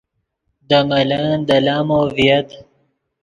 دے ملن دے لامو ڤییت